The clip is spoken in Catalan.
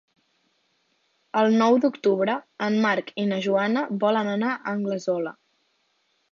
El nou d'octubre en Marc i na Joana volen anar a Anglesola.